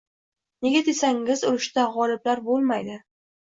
Nega desangiz, urushda g`oliblar bo`lmaydi